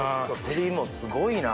照りもすごいな！